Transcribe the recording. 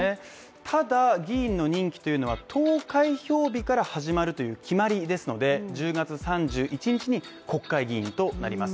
ただ、議員の任期というのは投開票日から始まるという決まりですので１０月３１日に国会議員となります